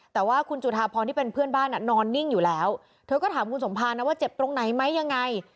แต่ว่าคุณจุธาพรที่เป็นเพื่อนบ้านนอนนิ่งอยู่แล้วเธอก็ถามคุณสมภารนะว่าเจ็บตรงไหนไหมยังไง